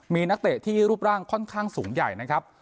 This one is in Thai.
มีนักเตะที่รูปร่างค่อนข้างสูงใหญ่นะครับ